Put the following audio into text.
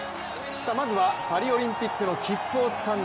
まずはパリオリンピックの切符をつかんだ